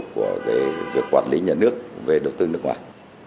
của việc quản lý nhà nước về đầu tư nước ngoài